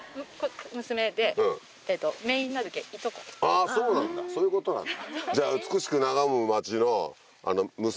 あぁそうなんだそういうことなんだ。